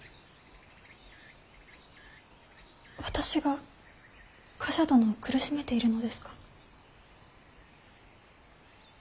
私が冠者殿を苦しめているのですか。